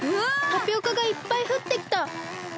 タピオカがいっぱいふってきた！